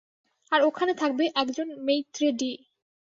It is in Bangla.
আর ওখানে থাকবে একজন মেইত্রে ডি!